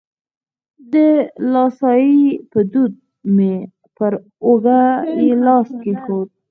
د دلاسایي په دود مې پر اوږه یې لاس کېښود.